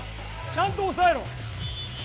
ちゃんと押さえろ。